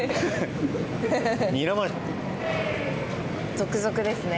続々ですね。